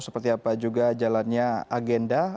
seperti apa juga jalannya agenda